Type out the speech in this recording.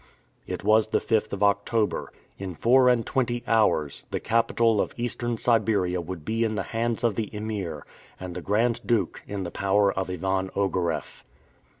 It was the 5th of October. In four and twenty hours, the capital of Eastern Siberia would be in the hands of the Emir, and the Grand Duke in the power of Ivan Ogareff.